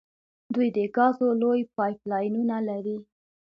دوی د ګازو لویې پایپ لاینونه لري.